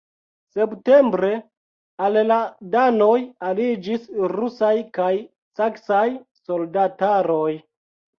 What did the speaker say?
Septembre al la danoj aliĝis rusaj kaj saksaj soldataroj.